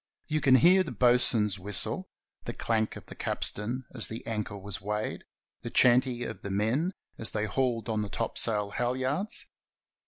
You can hear the bos'n's whistle, the clank of the capstan as the anchor was weighed, the "chanty" of the men as they hauled on the topsail hal yards.